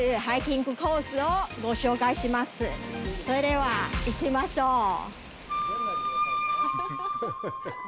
それでは、行きましょう。